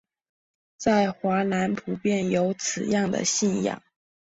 在华南普遍有此样的信仰。